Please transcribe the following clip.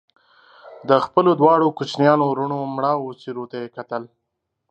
د خپلو دواړو کوچنيانو وروڼو مړاوو څېرو ته يې کتل